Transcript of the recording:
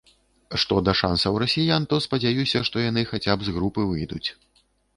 Што да шансаў расіян, то, спадзяюся, што яны хаця б з групы выйдуць.